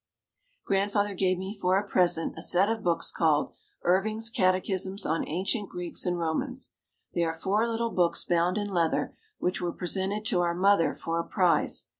Grandfather gave me for a present a set of books called "Irving's Catechisms on Ancient Greeks and Romans." They are four little books bound in leather, which were presented to our mother for a prize.